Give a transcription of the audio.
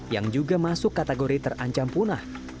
yang juga masuk kategori terancam punah